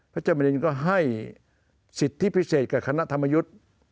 พระเจ้ามรินก็ให้สิทธิพิเศษกับคณะธรรมยุทธ์